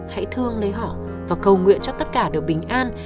hãy thương lấy họ và cầu nguyện cho tất cả đều bình an